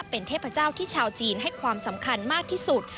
เป็นเทพเจ้าที่ชาวจีนให้ความสำคัญมากที่สุด